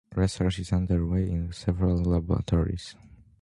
Research is underway in several laboratories.